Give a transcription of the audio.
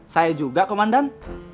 saya juga komandan